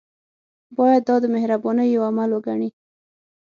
باید دا د مهربانۍ یو عمل وګڼي.